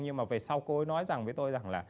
nhưng mà về sau cô ấy nói với tôi rằng là